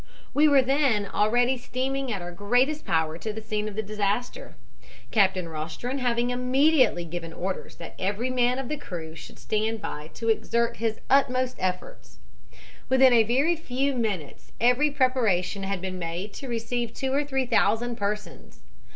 "We were then already steaming at our greatest power to the scene of the disaster, Captain Rostron having immediately given orders that every man of the crew should stand by to exert his utmost efforts. Within a very few minutes every preparation had been made to receive two or three thousand persons.